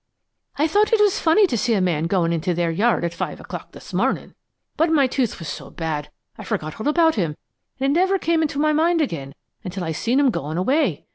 "I thought it was funny to see a man goin' into their yard at five o'clock this mornin', but my tooth was so bad I forgot all about him and it never come into my mind again until I seen them goin' away.